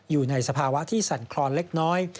อยู่ในสภาวะที่สั่นคลอนเล็กน้อย